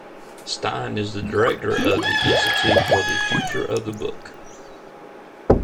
Stein is the director of the Institute for the Future of the Book.